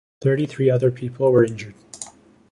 Thirty-three other people were injured.